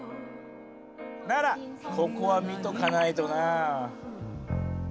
ならここは見とかないとな。